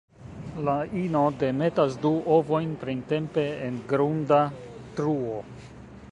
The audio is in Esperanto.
La ino demetas du ovojn printempe en grunda truo.